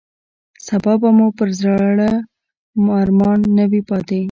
سبا به مو پر زړه ارمان نه وي پاتې.